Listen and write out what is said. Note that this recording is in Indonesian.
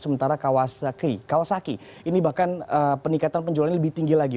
sementara kawasaki ini bahkan peningkatan penjualannya lebih tinggi lagi